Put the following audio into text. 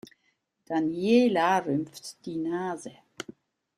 Daniela rümpft die Nase.